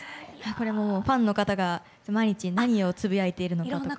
これももうファンの方が毎日何をつぶやいているのかとか。